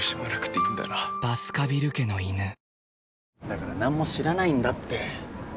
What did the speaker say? だから何も知らないんだって。